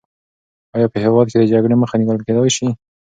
آیا په هېواد کې د جګړې مخه نیول کېدای سي؟